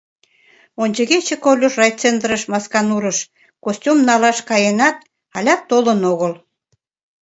Ончыгече Колюш райцентрыш, Масканурыш, костюм налаш каенат, алят толын огыл.